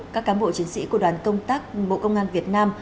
các cán bộ chiến sĩ của đoàn công tác bộ công an việt nam